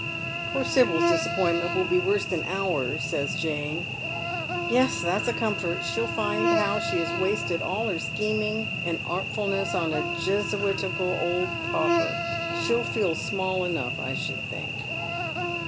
" Poor Sibyl's disappointment will be worse than ours," saya Jane. " Yes, that's a comfort. She'll find how she has wasted all her scheming and artfulness on a Jesuitical old pauper. She'll feel flmall enough, I should think."